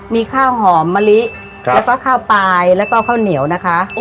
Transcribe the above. มีข้าวหอมมะลิแล้วก็ข้าวปลายแล้วก็ข้าวเหนียวนะคะ